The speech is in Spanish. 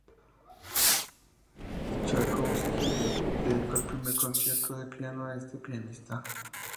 Tchaikovsky dedicó el primer concierto de piano a este pianista.